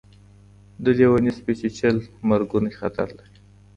د لېوني سپي چیچل مرګونی خطر لري.